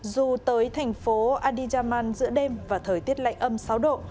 dù tới thành phố adijaman giữa đêm và thời tiết lạnh âm sáu độ